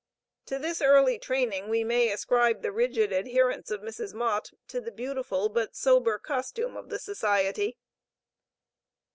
To this early training, we may ascribe the rigid adherence of Mrs. Mott, to the beautiful but sober costume of the Society.